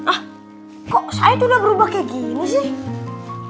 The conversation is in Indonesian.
ah kok sait udah berubah kayak gini sih